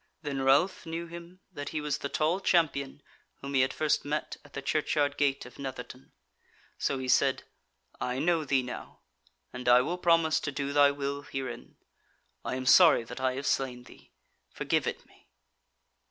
Then Ralph knew him, that he was the tall champion whom he had met first at the churchyard gate of Netherton; so he said: "I know thee now, and I will promise to do thy will herein. I am sorry that I have slain thee; forgive it me."